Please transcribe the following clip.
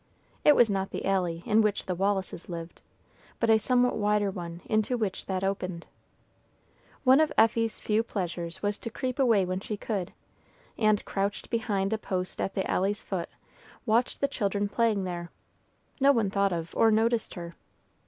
It was not the alley in which the Wallises lived, but a somewhat wider one into which that opened. One of Effie's few pleasures was to creep away when she could, and, crouched behind a post at the alley's foot, watch the children playing there. No one thought of or noticed her.